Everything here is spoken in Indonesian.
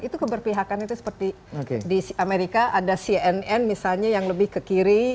itu keberpihakan itu seperti di amerika ada cnn misalnya yang lebih ke kiri